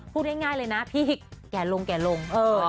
พูดง่ายเลยนะพี่แก่ลงแก่ลง